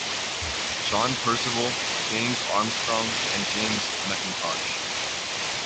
John Percival, James Armstrong, and James McIntosh.